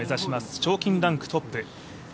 賞金ランクトップ。